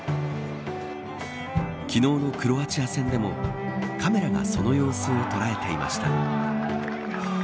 昨日のクロアチア戦でもカメラがその様子を捉えていました。